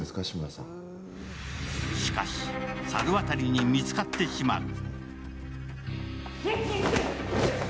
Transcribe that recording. しかし、猿渡に見つかってしまう。